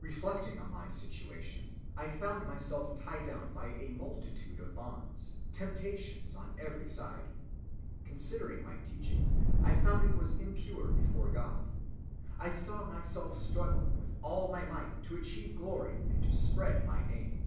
"Reflecting on my situation, I found myself tied down by a multitude of bonds—temptations on every side. Considering my teaching, I found it was impure before God. I saw myself struggling with all my might to achieve glory and to spread my name.